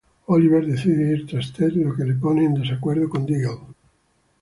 Oliver decide ir tras Ted lo que lo pone en desacuerdo con Diggle.